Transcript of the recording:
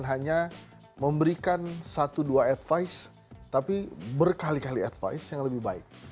hanya memberikan satu dua advice tapi berkali kali advice yang lebih baik